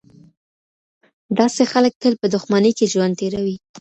داسې خلګ تل په دښمنۍ کي ژوند تېروي.